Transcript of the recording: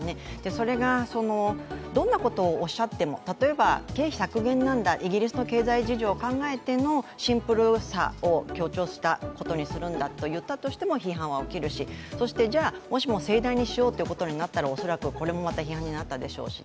それがどんなことをおっしゃっても例えば経費削減なんだ、イギリスの経済状況を考えてのシンプルさを強調したことにするんだと言ったとしても批判は起きるし、もしも盛大にしようということになったら、おそらくこれも批判になったんでしょうし。